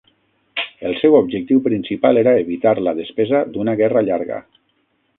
El seu objectiu principal era evitar la despesa d'una guerra llarga.